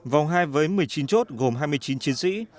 vòng hai với một mươi chín chốt gồm hai mươi chín chiến sĩ